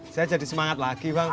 saya jadi semangat lagi bang